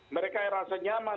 mereka rasa nyaman